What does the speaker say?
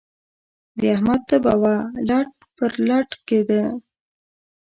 د احمد تبه وه؛ لټ پر لټ کېدی.